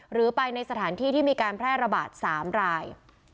หรือไปในสถานที่ที่มีการแพร่ระบาด๓ราย